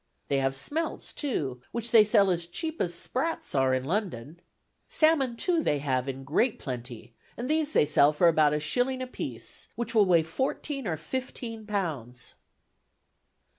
They have smelts, too, which they sell as cheap as sprats are in London. Salmon, too, they have in great plenty, and these they sell for about a shilling apiece, which will weigh fourteen or fifteen pounds."